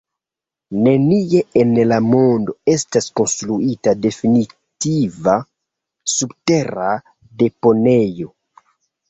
Nenie en la mondo estas konstruita definitiva subtera deponejo.